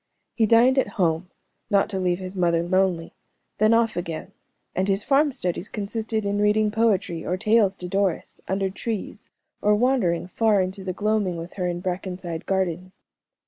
He dined at home, not to leave his mother lonely, then off again, and his farm studies consisted in reading poetry or tales to Doris, under trees, or wandering far into the gloaming with her in Brackenside garden.